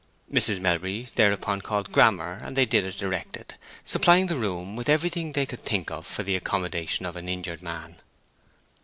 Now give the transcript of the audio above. Mrs. Melbury thereupon called Grammer, and they did as directed, supplying the room with everything they could think of for the accommodation of an injured man.